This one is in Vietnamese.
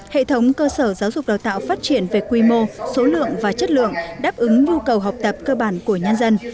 hệ thống cơ sở giáo dục đào tạo phát triển về quy mô số lượng và chất lượng đáp ứng nhu cầu học tập cơ bản của nhân dân